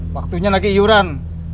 waktunya lagi iuran